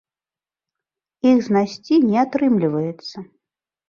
Іх знайсці не атрымліваецца.